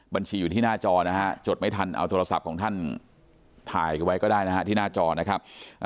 บัญชีอยู่ที่หน้าจอนะฮะจดไม่ทันเอาโทรศัพท์ของท่านถ่ายไว้ก็ได้นะฮะที่หน้าจอนะครับ